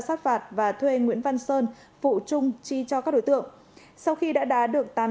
sát phạt và thuê nguyễn văn sơn phụ chung chi cho các đối tượng sau khi đã đá được tán